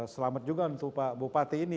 selamat juga untuk pak bupati ini